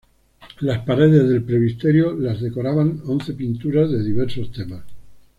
Las paredes del presbiterio las decoraban once pinturas de diversos temas.